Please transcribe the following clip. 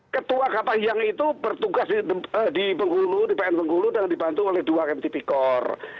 ketua kapahyang itu bertugas di bengkulu di pn bengkulu dan dibantu oleh dua kmpp kor